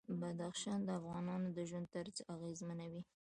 بدخشان د افغانانو د ژوند طرز اغېزمنوي.